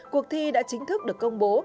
cuộc thi đã chính thức được công bố